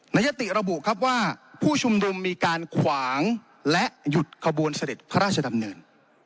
ยติระบุครับว่าผู้ชุมนุมมีการขวางและหยุดขบวนเสด็จพระราชดำเนิน